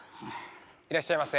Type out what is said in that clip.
いらっしゃいませ。